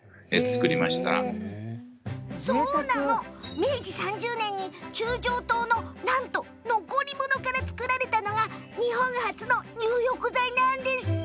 明治３０年に中将湯のなんと残り物から作られたのが日本初の入浴剤なんですって。